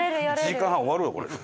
１時間半終わるわこれで。